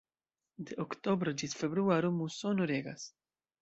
De oktobro ĝis februaro musono regas.